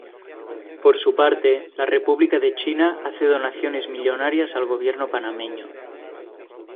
Por su parte, la República de China hace donaciones millonarias al gobierno panameño.